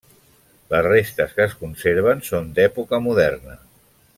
Les restes que es conserven són d'època moderna.